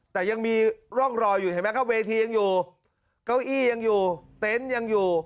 แต่ยังมีร่องรอยอยู่เห็นไหมครับเวทียังอยู่เก้าอี้ยังอยู่เต็นต์ยังอยู่